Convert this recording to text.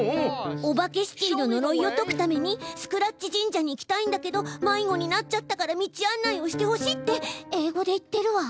「オバケシティののろいを解くためにスクラッチ神社に行きたいんだけど迷子になっちゃったから道案内をしてほしい」って英語で言ってるわ。